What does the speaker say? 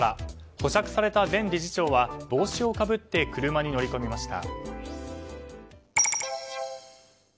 保釈された前理事長は帽子をかぶって車に乗り込みました。